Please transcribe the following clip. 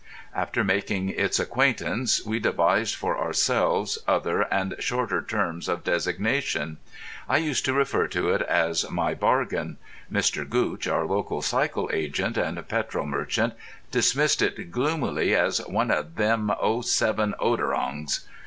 After making its acquaintance we devised for ourselves other and shorter terms of designation. I used to refer to it as My Bargain. Mr. Gootch, our local cycle agent and petrol merchant, dismissed it gloomily as "one of them owe seven Oderongs."